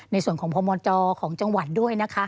ในส่วนของพมจของจังหวัดด้วยนะคะ